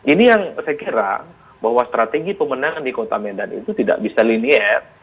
ini yang saya kira bahwa strategi pemenangan di kota medan itu tidak bisa linier